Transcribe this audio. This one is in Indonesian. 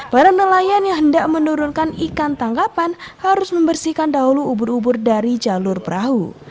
para nelayan yang hendak menurunkan ikan tangkapan harus membersihkan dahulu ubur ubur dari jalur perahu